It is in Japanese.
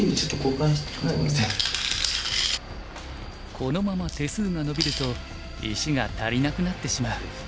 このまま手数がのびると石が足りなくなってしまう。